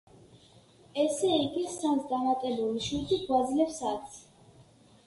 ესე იგი, სამს დამატებული შვიდი გვაძლევს ათს.